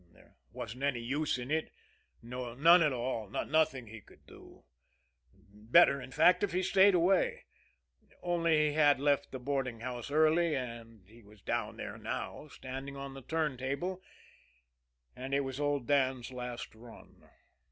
There wasn't any use in it, none at all, nothing he could do; better, in fact, if he stayed away only he had left the boarding house early and he was down there now, standing on the turntable and it was old Dan's last run.